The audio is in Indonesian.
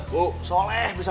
bu soleh bisa